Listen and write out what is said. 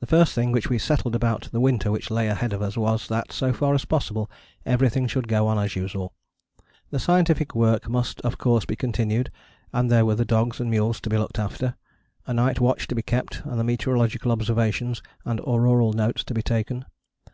The first thing which we settled about the winter which lay ahead of us was that, so far as possible, everything should go on as usual. The scientific work must of course be continued, and there were the dogs and mules to be looked after: a night watch to be kept and the meteorological observations and auroral notes to be taken.